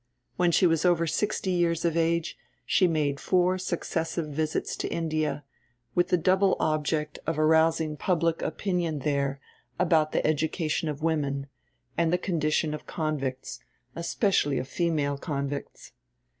When she was over sixty years of age she made four successive visits to India, with the double object of arousing public opinion there about the education of women, and the condition of convicts, especially of female convicts.